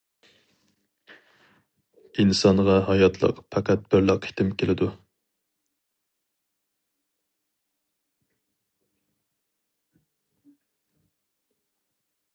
ئىنسانغا ھاياتلىق پەقەت بىرلا قېتىم كېلىدۇ.